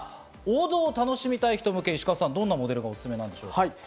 王道を楽しみたい人向け、どんなモデルがおすすめなんでしょう？